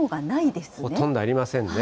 ほとんどありませんね。